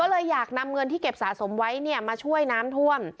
ก็เลยอยากนำเงินที่เก็บสะสมไว้มาช่วยน้ำท่วม